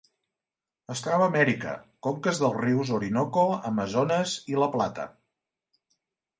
Es troba a Amèrica: conques dels rius Orinoco, Amazones i La Plata.